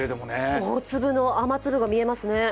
大粒の雨粒が見えますね。